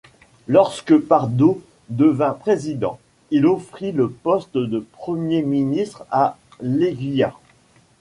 Lorsque Pardo devint président, il offrit le poste de premier ministre à Leguia.